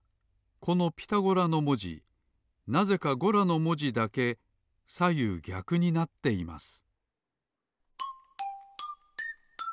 この「ピタゴラ」のもじなぜか「ゴラ」のもじだけさゆうぎゃくになっています